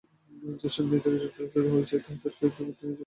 যেসব ব্যবসায়ী ঋণখেলাপি হয়েছেন, তাঁদেরটি দীর্ঘদিনের জন্য পুনঃ তফসিল করতে হবে।